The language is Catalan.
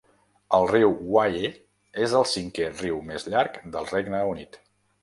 El riu Wye és el cinquè riu més llarg del Regne Unit.